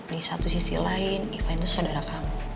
di satu sisi lain event itu saudara kamu